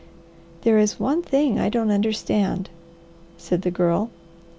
"There is one thing I don't understand," said the Girl.